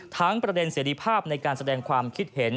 ประเด็นเสร็จภาพในการแสดงความคิดเห็น